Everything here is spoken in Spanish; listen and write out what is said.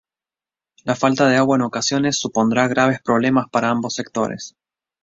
La falta de agua en ocasiones supondrá graves problemas para ambos sectores.